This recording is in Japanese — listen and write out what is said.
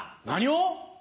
何を！